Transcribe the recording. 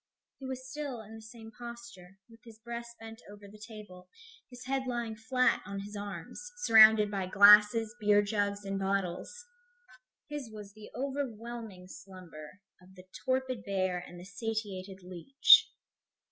He was still in the same posture, with his breast bent over the table, his head lying flat on his arms, surrounded by glasses, beer jugs and bottles. His was the overwhelming slumber of the torpid bear and the satiated leech.